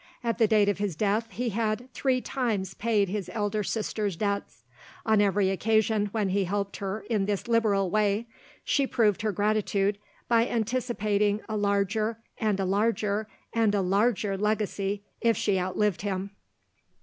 At the date of his death, he had three times paid his elder sister's debts. On every occasion when he helped her in this liberal way, she proved her gratitude by anticipating a larger, and a larger, and a larger legacy if she outlived him.